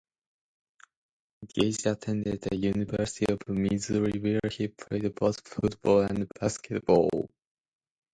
Gage attended the University of Missouri where he played both football and basketball.